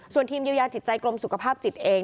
ส่วนทีมเยียวยาตรวรรณจิตจัยกรมสุขภาพจิตเอง